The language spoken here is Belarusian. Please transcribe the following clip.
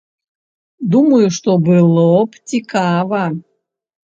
Думаю, што было б цікава.